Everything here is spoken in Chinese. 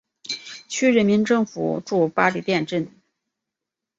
区人民政府驻八里店镇。